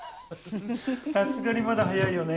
さすがにまだ早いよね。